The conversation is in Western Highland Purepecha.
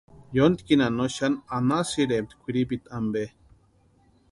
Yóntkinha no xani anhasïrempti kwʼiripita ampe.